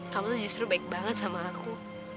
kamu tuh justru baik banget sama aku